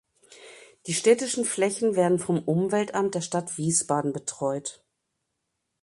Die städtischen Flächen werden vom Umweltamt der Stadt Wiesbaden betreut.